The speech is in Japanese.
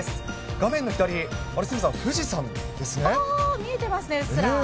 画面の左、あれ、鷲見さん、見えてますね、うっすら。